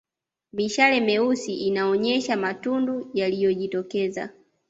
Mishale meusi inaonyesha matundu yaliyojitokeza